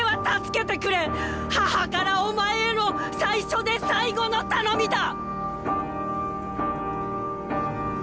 母からお前への最初で最後の頼みだ！